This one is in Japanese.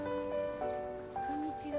こんにちは。